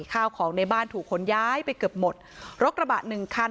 ข้าวของในบ้านถูกขนย้ายไปเกือบหมดรถกระบะหนึ่งคัน